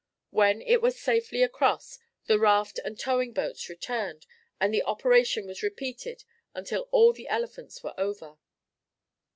When it was safely across, the raft and towing boats returned, and the operation was repeated until all the elephants were over.